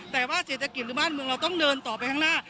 แต่ว่าเศรษฐกิจหรือบ้านเมืองเราต้องเดินต่อไปข้างหน้า